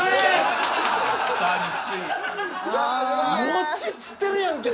もちっつってるやんけ